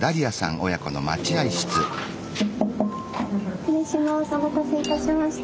お待たせいたしました。